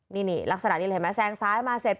นี่ลักษณะนี้เลยเห็นไหมแซงซ้ายมาเสร็จ